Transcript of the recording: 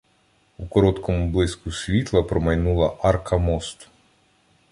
У короткому блиску світла промайнула арка мосту.